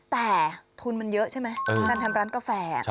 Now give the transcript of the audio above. แต่ทุนมันเยอะใช่ไหมการทำร้านกาแฟ